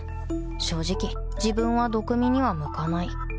正直自分は毒見には向かない